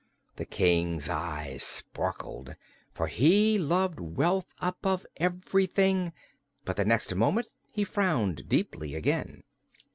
The King's eyes sparkled, for he loved wealth above everything; but the next moment he frowned deeply again.